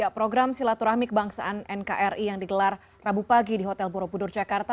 program silaturahmi kebangsaan nkri yang digelar rabu pagi di hotel borobudur jakarta